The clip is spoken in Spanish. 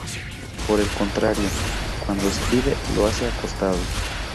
Por el contrario, cuando escribe, lo hace acostado.